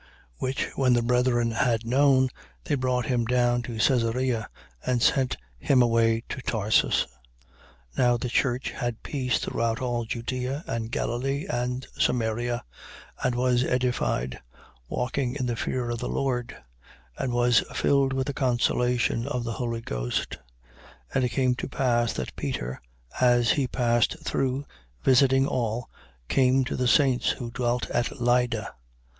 9:30. Which when the brethren had known, they brought him down to Caesarea and sent him away to Tarsus. 9:31. Now, the church had peace throughout all Judea and Galilee and Samaria: and was edified, walking in the fear of the Lord: and was filled with the consolation of the Holy Ghost. 9:32. And it came to pass that Peter, as he passed through, visiting all, came to the saints who dwelt at Lydda.